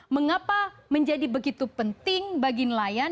mengapa menjadi begitu penting bagi nelayan